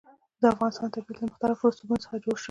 د افغانستان طبیعت له مختلفو رسوبونو څخه جوړ شوی دی.